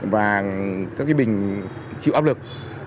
và các cái bình chịu áp lực